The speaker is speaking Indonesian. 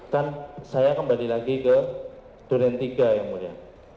kan saya kembali lagi ke duren tiga yang mulia